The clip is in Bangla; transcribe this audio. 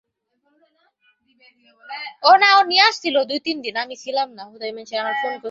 এই কথোপকথন-ব্যাপারে কমলা নিজের তরফের দৈন্য সহজেই বুঝিতে পারিল।